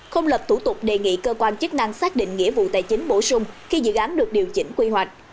không lập thủ tục đề nghị cơ quan chức năng xác định nghĩa vụ tài chính bổ sung khi dự án được điều chỉnh quy hoạch